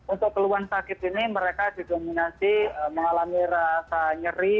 untuk keluhan sakit ini mereka didominasi mengalami rasa nyeri